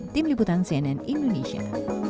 tim liputan cnn indonesia